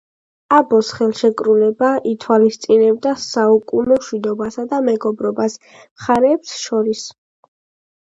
აბოს ხელშეკრულება ითვალისწინებდა „საუკუნო მშვიდობასა და მეგობრობას“ მხარეებს შორის.